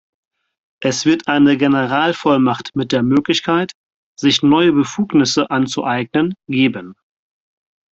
Es wird eine Generalvollmacht mit der Möglichkeit, sich neue Befugnisse anzueignen, geben.